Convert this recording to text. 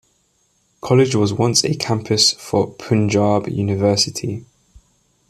College was once a campus for Punjab University.